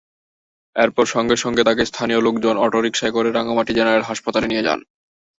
এরপর সঙ্গে সঙ্গে তাঁকে স্থানীয় লোকজন অটোরিকশায় করে রাঙামাটি জেনারেল হাসপাতালে নিয়ে যান।